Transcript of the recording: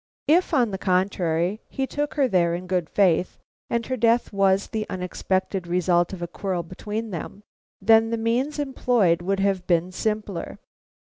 If, on the contrary, he took her there in good faith, and her death was the unexpected result of a quarrel between them, then the means employed would have been simpler.